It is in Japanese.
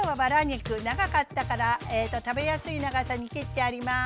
長かったから食べやすい長さに切ってあります。